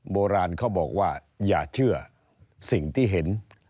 โบราณเขาบอกว่าอย่าเชื่อสิ่งที่เห็น